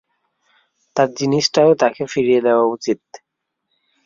তার জিনিসটাও তাকে ফিরিয়ে দেয়া উচিত।